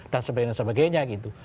dan sebagainya sebagainya gitu